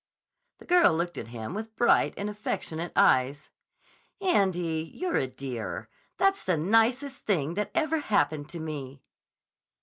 The girl looked at him with bright and affectionate eyes. "Andy, you're a dear. That's the nicest thing that ever happened to me."